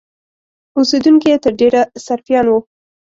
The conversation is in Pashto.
اوسېدونکي یې تر ډېره سرفیان وو.